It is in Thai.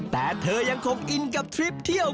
เมื่อตอนเดือนกุมภาพันธ์ที่ผ่านมาจนกลับบ้านที่เมืองจีนไปแล้ว